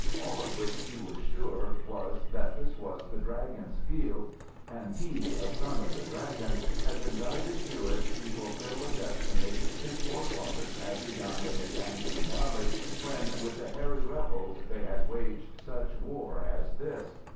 All of which he was sure was that this was the Dragon's Field, and he, a Son of the Dragon, had been guided to it to fulfil a destiny his forefathers had begun in the Yangtze Valley when with the "Hairy Rebels" they had waged such war as this.